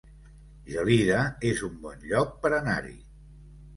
Gelida es un bon lloc per anar-hi